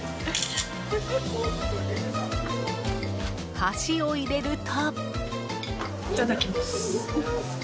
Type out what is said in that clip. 箸を入れると。